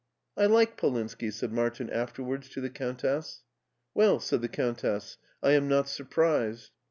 "I like Polinski," said Martin afterwards to the Countess. " Well," said the Countess, I am not surprised."